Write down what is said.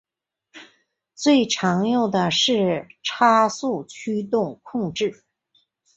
最常用的是差速驱动控制。